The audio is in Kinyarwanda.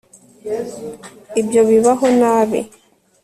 ibyo bibaho nabi